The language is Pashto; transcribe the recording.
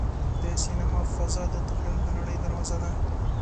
د سینما فضا د تخیل د نړۍ دروازه ده.